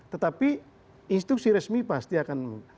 tetapi instruksi resmi pasti akan